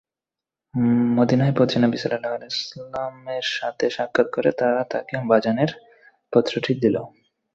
মদীনায় পৌঁছে নবী সাল্লাল্লাহু আলাইহি ওয়াসাল্লামের সাথে সাক্ষাৎ করে তারা তাঁকে বাযানের পত্রটি দিল।